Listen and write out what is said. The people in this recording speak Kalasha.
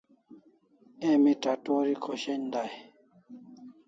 Emi tatori khoshen dai